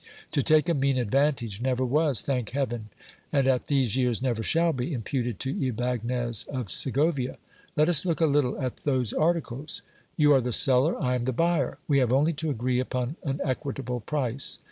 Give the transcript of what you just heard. To take a mean advantage never was, thank heaven ! and at these years never shall be, imputed to Ybagnez of Segovia. I et us look a little at those articles ! You are the seller ; I am the buyer ! We have only to agree upon an equitable price.